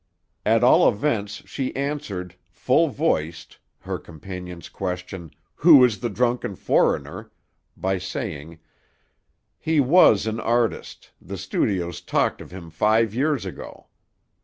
At all events she answered, full voiced, her companion's question, 'Who is the drunken foreigner?' by saying, 'He was an artist. The studios talked of him five years ago.